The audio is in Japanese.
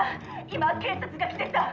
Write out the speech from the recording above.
今警察が来てさ